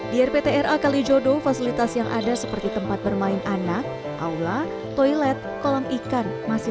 di rptra kalijodo fasilitas yang ada seperti tempat bermain anak aula toilet kolam ikan masih